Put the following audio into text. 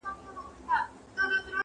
تش کوهي ته په اوبو پسي لوېدلی -